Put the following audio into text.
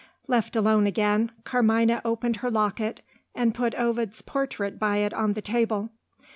Left alone again, Carmina opened her locket, and put Ovid's portrait by it on the table.